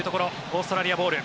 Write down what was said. オーストラリアボール。